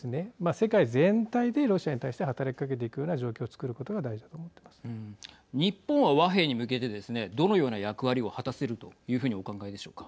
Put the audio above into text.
世界全体でロシアに対して働きかけていくような状況を作ることが日本は、和平に向けてですねどのような役割を果たせるというふうにお考えでしょうか。